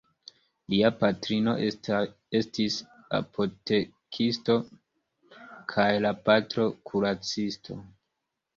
Lia patrino estis apotekisto kaj la patro kuracisto.